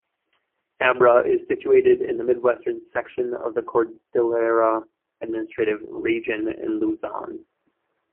Abra is situated in the mid-western section of the Cordillera Administrative Region in Luzon.